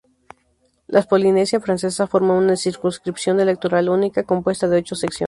La Polinesia Francesa forma una circunscripción electoral única, compuesta de ocho secciones.